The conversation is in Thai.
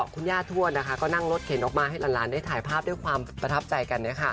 คุณย่าทวดก็นั่งรถเข็นออกมาให้หลานได้ถ่ายภาพด้วยความประทับใจกัน